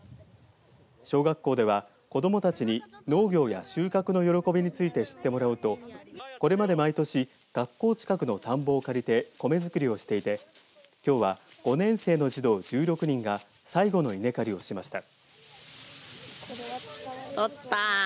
小学校では子どもたちに農業や収穫の喜びについて知ってもらおうとこれまで毎年学校近くの田んぼを借りて米作りをしていて、きょうは５年生の児童１６人が最後の稲刈りをしました。